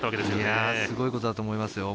すごいことだと思います。